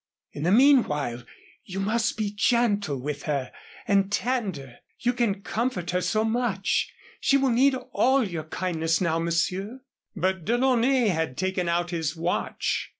In the meanwhile you must be gentle with her and tender you can comfort her so much. She will need all your kindness now, Monsieur." But DeLaunay had taken out his watch.